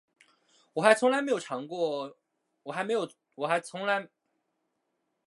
我还从来没有尝试过被拒绝的滋味呢，很好，你已经成功地引起我的注意了